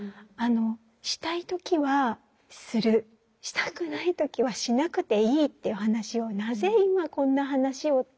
したい時はするしたくない時はしなくていいっていう話をなぜ今こんな話をって